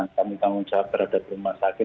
kami tanggung jawab terhadap rumah sakit